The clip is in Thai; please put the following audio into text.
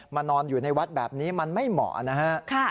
นอนอยู่ในวัดแบบนี้มันไม่เหมาะนะฮะ